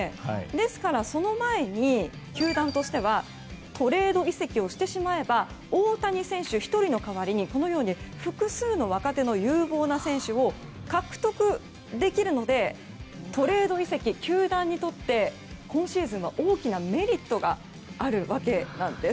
ですから、その前に球団としてはトレード移籍をしてしまえば大谷選手１人の代わりに複数の若手の有望な選手を獲得できるのでトレード移籍は球団にとって今シーズンの大きなメリットがあるわけです。